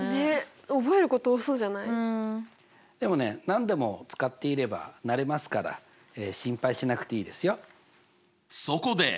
でもね何度も使っていれば慣れますから心配しなくていいですよ。